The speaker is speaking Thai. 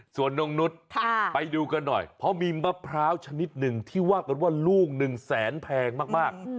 ส่วนนงนุษย์ไปดูกันหน่อยเพราะมีมะพร้าวชนิดหนึ่งที่ว่ากันว่าลูกหนึ่งแสนแพงมาก